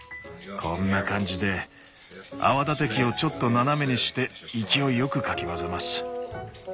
こんな感じで泡立て器をちょっと斜めにして勢いよくかき混ぜます。